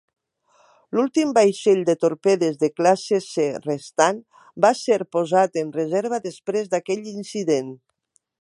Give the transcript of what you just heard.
L'últim vaixell de torpedes de classe "C" restant va ser posat en reserva després d'aquest incident.